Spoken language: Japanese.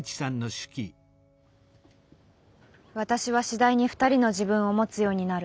「私は次第にふたりの自分を持つようになる。